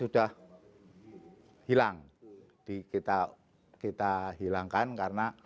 dan kita menangkap